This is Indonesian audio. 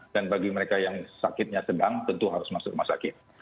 dan bagi mereka yang sakitnya sedang tentu harus masuk rumah sakit